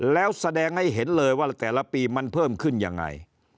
แล้วแสดงให้เห็นเลยว่าแต่ละปีมันเพิ่มขึ้นยังไง